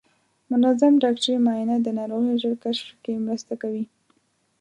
منظم ډاکټري معاینه د ناروغیو ژر کشف کې مرسته کوي.